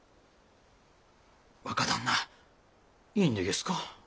若旦那いいんでげすか？